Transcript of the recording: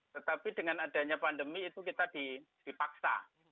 tetapi dengan adanya pandemi itu kita dipaksa